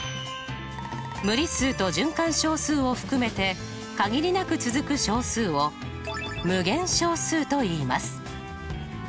無理数と循環小数を含めて限りなく続く小数を無限小数といいます。